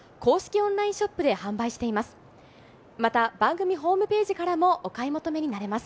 オンラインショップで販売しています。